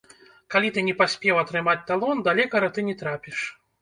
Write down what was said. Калі ты не паспеў атрымаць талон, да лекара ты не трапіш.